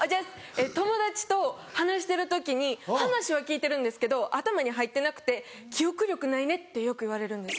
友達と話してる時に話は聞いてるんですけど頭に入ってなくて「記憶力ないね」ってよく言われるんです。